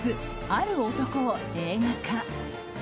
「ある男」を映画化。